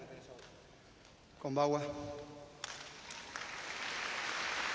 こんばんは。